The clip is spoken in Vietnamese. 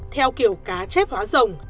theo kiểu cá chép hóa rồng